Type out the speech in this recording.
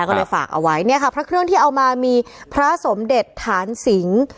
ก็เลยฝากเอาไว้เนี่ยค่ะพระเครื่องที่เอามามีพระสมเด็จฐานสิง